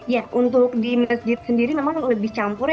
ya untuk di masjid sendiri memang lebih campur ya